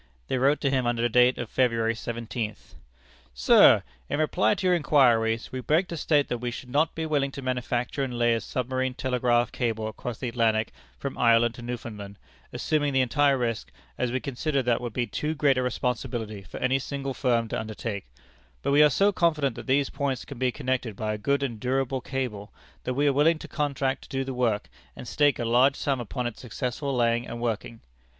They wrote to him under date of February seventeenth: "Sir: In reply to your inquiries, we beg to state that we should not be willing to manufacture and lay a Submarine Telegraph Cable across the Atlantic, from Ireland to Newfoundland, assuming the entire risk, as we consider that would be too great a responsibility for any single firm to undertake; but we are so confident that these points can be connected by a good and durable cable, that we are willing to contract to do the work, and stake a large sum upon its successful laying and working.